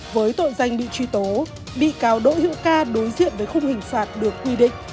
với tội danh bị truy tố bị cáo đỗ hữu ca đối diện với khung hình phạt được quy định